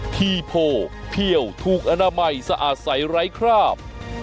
ทีโพเพี่ยวถูกอนามัยสะอาดใสไร้คราบ